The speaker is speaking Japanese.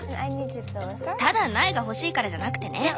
ただ苗が欲しいからじゃなくてね。